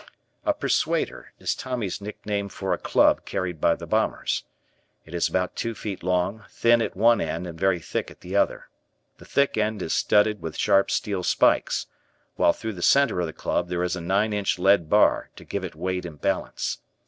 A persuader is Tommy's nickname for a club carried by the bombers. It is about two feet long, thin at one end and very thick at the other. The thick end is studded with sharp steel spikes, while through the center of the club there is a nine inch lead bar, to give it weight and balance.